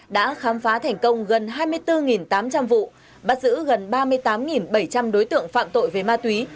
đã khám phá thành công gần hai mươi bốn tám trăm linh vụ bắt giữ gần ba mươi tám bảy trăm linh đối tượng phạm tội về ma túy